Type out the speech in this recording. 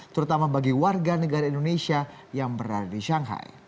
terutama bagi warga negara indonesia yang berada di shanghai